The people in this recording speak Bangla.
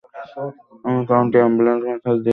আমি কাউন্টি অ্যাম্বুলেন্স সার্ভিসে ম্যাসেজ দিয়েছি!